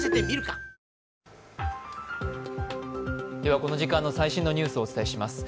この時間の最新のニュースをお伝えします。